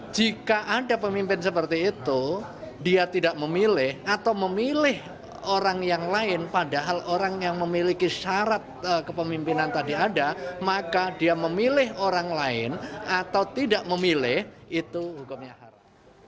jika ada pemimpin seperti itu dia tidak memilih atau memilih orang yang lain padahal orang yang memiliki syarat kepemimpinan tadi ada maka dia memilih orang lain atau tidak memilih itu hukumnya haram